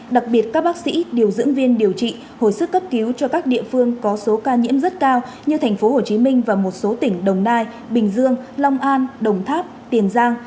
đặc biệt các bác sĩ điều dưỡng viên điều trị hồi sức cấp cứu cho các địa phương có số ca nhiễm rất cao như tp hcm và một số tỉnh đồng nai bình dương long an đồng tháp tiền giang